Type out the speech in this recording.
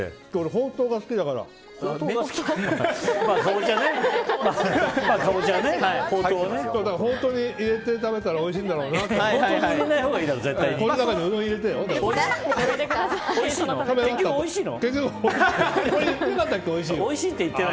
ホウトウに入れて食べたらおいしいんだろうなって。